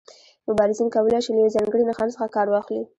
مبارزین کولای شي له یو ځانګړي نښان څخه کار واخلي.